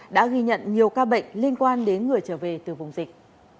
đã ghi nhận nhiều ca bệnh liên quan đến người trở về từ vùng dịch